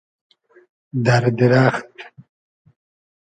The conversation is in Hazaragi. دئر دیرئخت